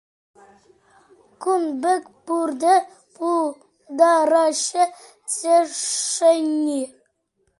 Кун пек пурте пултараҫҫӗ тесшӗн-и?